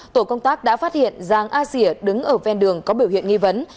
tổ công tác đã phát hiện giang a sìa đứng ở ven đường có biểu hiện nghi vấn